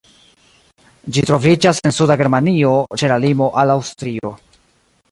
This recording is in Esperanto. Ĝi troviĝas en suda Germanio, ĉe la limo al Aŭstrio.